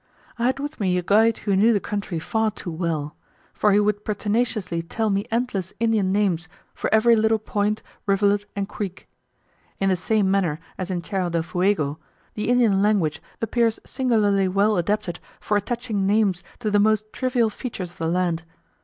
I had with me a guide who knew the country far too well; for he would pertinaciously tell me endless Indian names for every little point, rivulet, and creek. In the same manner as in Tierra del Fuego, the Indian language appears singularly well adapted for attaching names to the most trivial features of the land.